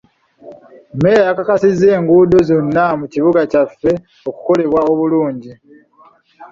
Mmeeya yakakasizza enguudo zonna mu kibuga kyaffe okukolebwa obulungi.